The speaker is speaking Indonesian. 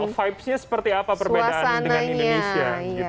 vibes nya seperti apa perbedaan dengan indonesia